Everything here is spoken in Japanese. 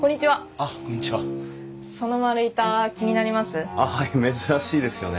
あっはい珍しいですよね。